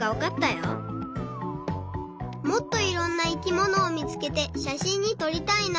もっといろんな生きものをみつけてしゃしんにとりたいな。